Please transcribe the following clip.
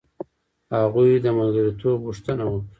هغوی د ملګرتوب غوښتنه وکړه.